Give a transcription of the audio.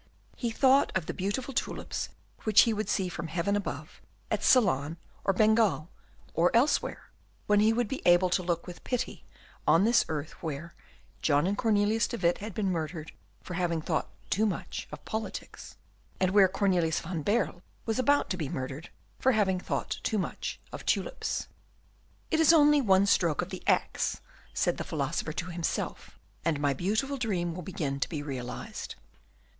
He thought of the beautiful tulips which he would see from heaven above, at Ceylon, or Bengal, or elsewhere, when he would be able to look with pity on this earth, where John and Cornelius de Witt had been murdered for having thought too much of politics, and where Cornelius van Baerle was about to be murdered for having thought too much of tulips. "It is only one stroke of the axe," said the philosopher to himself, "and my beautiful dream will begin to be realised."